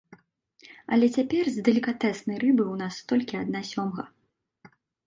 Але цяпер з далікатэснай рыбы ў нас толькі адна сёмга.